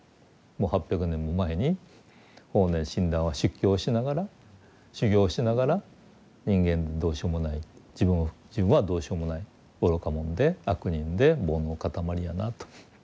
もう８００年も前に法然親鸞は出家をしながら修行をしながら人間どうしようもない自分はどうしようもない愚か者で悪人で煩悩の固まりやなと。